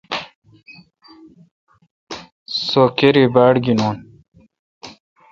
سو کاری باڑ گینون۔